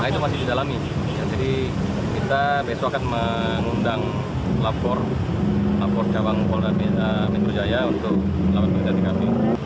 nah itu masih didalami jadi kita besok akan mengundang lapor lapor cabang polres metro jakarta selatan untuk melakukan detikasi